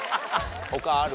他ある？